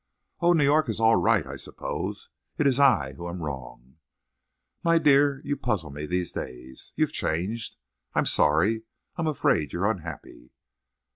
"Oh, New York is all right, I suppose. It's I who am wrong." "My dear, you puzzle me these days. You've changed. I'm sorry. I'm afraid you're unhappy."